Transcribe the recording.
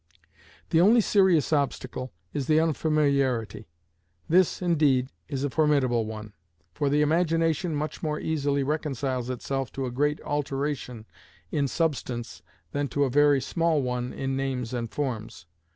The only serious obstacle is the unfamiliarity: this, indeed, is a formidable one, for the imagination much more easily reconciles itself to a great alteration in substance than to a very small one in names and forms.